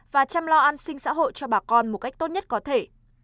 và chăm lo an sinh xã hội cho bà con một cách tốt nhất có thể